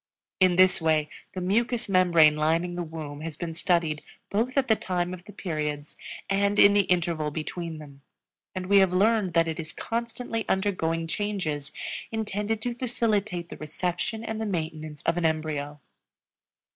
In this way the mucous membrane lining the womb has been studied both at the time of the periods and in the interval between them, and we have learned that it is constantly undergoing changes intended to facilitate the reception and the maintenance of an embryo.